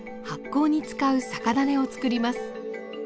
発酵に使う酒種を作ります。